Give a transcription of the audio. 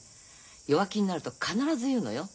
弱気になると必ず言うのよ。